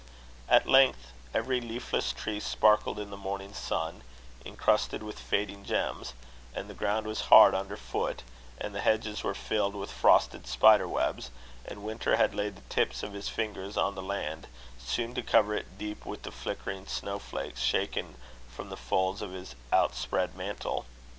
At length every leafless tree sparkled in the morning sun, incrusted with fading gems; and the ground was hard under foot; and the hedges were filled with frosted spider webs; and winter had laid the tips of his fingers on the land, soon to cover it deep with the flickering snow flakes, shaken from the folds of his outspread mantle.